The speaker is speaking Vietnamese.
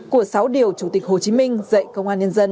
của sáu điều chủ tịch hồ chí minh dạy công an nhân dân